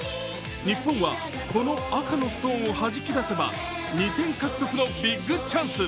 日本はこの赤のストーンをはじき出せば２点獲得のビッグチャンス。